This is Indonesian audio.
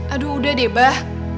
aduh udah deh mbah